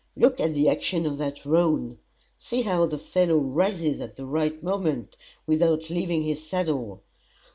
Look at the action of that roan! See how the fellow rises at the right moment without leaving his saddle!